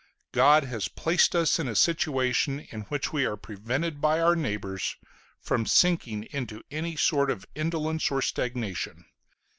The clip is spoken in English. God has placed us in a situation in which we are prevented by our neighbors from sinking into any sort of indolence or stagnation.